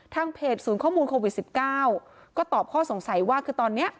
เพจศูนย์ข้อมูลโควิด๑๙ก็ตอบข้อสงสัยว่าคือตอนนี้